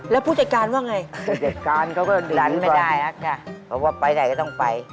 แล้วผู้จัดการว่าอย่างไร